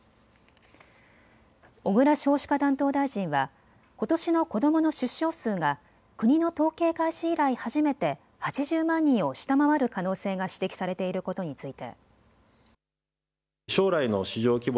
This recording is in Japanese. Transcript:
小倉少子化担当大臣はことしの子どもの出生数が国の統計開始以来、初めて８０万人を下回る可能性が指摘されていることについて。